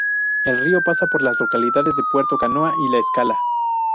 El río pasa por las localidades de Puerto Canoa y La Escala.